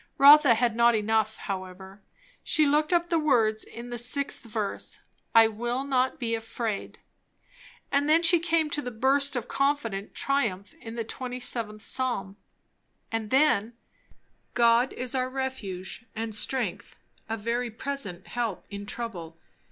Rotha had not enough, however; she took up the words in the 6th verse "I will not be afraid," etc. And then she came to the burst of confident triumph in the 27th psalm. And then, "God is our refuge and strength, a very present help in trouble.